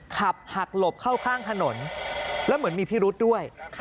ขับหักหลบเข้าข้างถนนแล้วเหมือนมีพิรุษด้วย